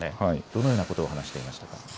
どのようなことを話していましたか。